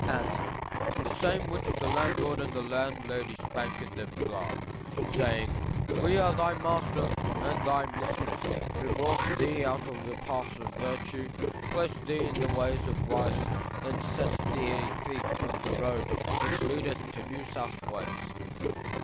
A. The same which the landlord and landlady spake in the bar, saying, We are thy master and thy mistress who brought thee out of the paths of virtue, placed thee in the ways of vice, and set thy feet on the road which leadeth to New South Wales.